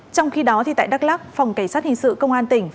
trong khi đó tại đắk lắc phòng cảnh sát hình sự công an tỉnh